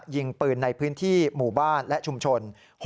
ยิงปืนในพื้นที่หมู่บ้านและชุมชน